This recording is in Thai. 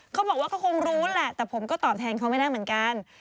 เขาบอกว่าก็คงรู้แหละแต่ผมก็ตอบแทนเขาไม่ได้เหมือนกัน